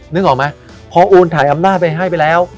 นึกออกไหมพอโอนถ่ายอำนาจไปให้ไปแล้ว